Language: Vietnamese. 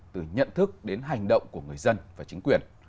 từ nhận thức đến hành động của người dân và chính quyền